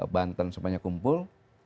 banten semuanya kumpul